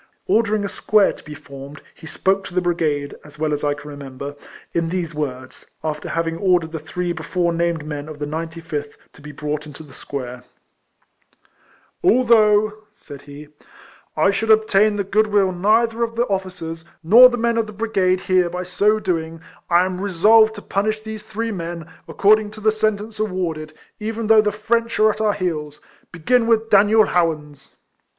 Ordering a square to be formed, he spoke to the brigade, as well as I can remember, in these words, after having ordered the three before named men of the 95th to be brought into the square :—" Although," said he, " I should obtain the ffood will neither of the officers nor the o men of the brigade here by so doing, I am resolved to punish these three men, according RIFLEMAN HARRIS. 199 to the sentence awarded, even though the French are at our heels. Begin with Daniel Howans."